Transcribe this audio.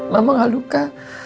mama gak luka